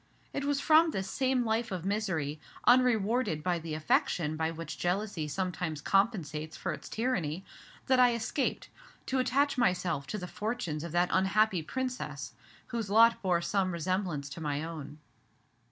It was from this same life of misery, unrewarded by the affection by which jealousy sometimes compensates for its tyranny, that I escaped, to attach myself to the fortunes of that unhappy Princess whose lot bore some resemblance to my own.